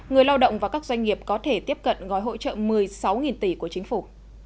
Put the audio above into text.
người lao động và các doanh nghiệp có thể tiếp cận gói hỗ trợ một mươi sáu tỷ của chính phủ